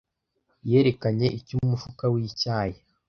yerekanye icyo Umufuka w'icyayi